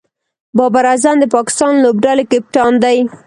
بابر اعظم د پاکستان لوبډلي کپتان دئ.